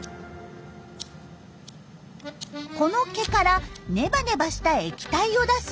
この毛からネバネバした液体を出すんだそうです。